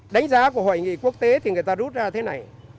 đánh giá của hội nghị quốc tế thì người ta rút ra thế này